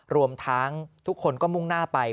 รวมทั้งทุกคนก็มุ่งหน้าไป